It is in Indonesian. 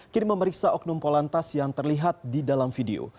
kini memeriksa oknum polantas yang terlihat di dalam video